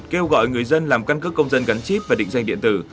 kêu gọi người dân làm căn cước công dân gắn chip và định danh điện tử